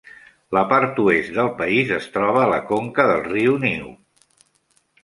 La part oest del país es troba a la conca del riu New.